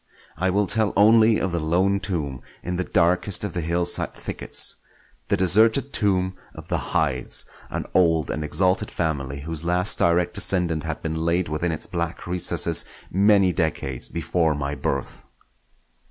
I will tell only of the lone tomb in the darkest of the hillside thickets; the deserted tomb of the Hydes, an old and exalted family whose last direct descendant had been laid within its black recesses many decades before my birth.